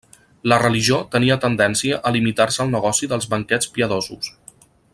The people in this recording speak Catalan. La religió tenia tendència a limitar-se al negoci dels banquets piadosos.